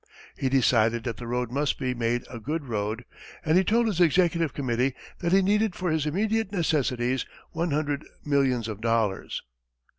He decided that the road must be made a good road, and he told his executive committee that he needed for his immediate necessities one hundred millions of dollars!